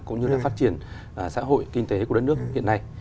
cũng như là phát triển xã hội kinh tế của đất nước hiện nay